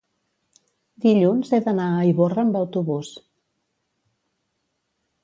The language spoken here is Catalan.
dilluns he d'anar a Ivorra amb autobús.